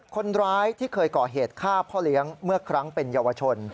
คนร้ายที่เคยก่อเหตุฆ่าพ่อเลี้ยงเมื่อครั้งเป็นเยาวชน